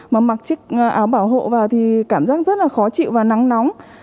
mà mặc chiếc áo bảo hộ vào thì cảm giác rất là khó chịu và nắng nóng